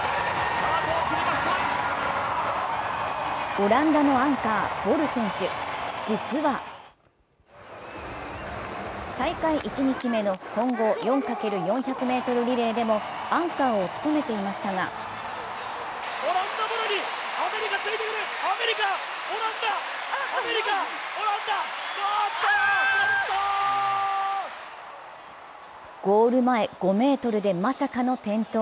オランダのアンカー・ボル選手、実は大会１日目の混合４×４００ｍリレーでもアンカーを務めていましたがゴール前５ｍでまさかの転倒。